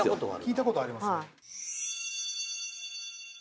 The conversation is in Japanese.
聞いたことありますね